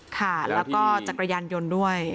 ค่ะแล้วก็จักรยานยนต์ด้วย